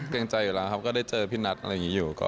เกรงใจอยู่แล้วครับก็ได้เจอพี่นัทอะไรอย่างนี้อยู่